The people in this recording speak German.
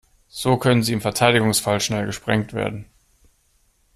So können sie im Verteidigungsfall schnell gesprengt werden.